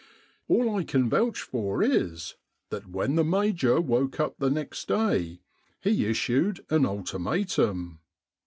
All I can vouch for is that when the Major woke up the next day, he issued an ultimatum.